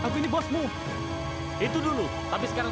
kamu percaya kan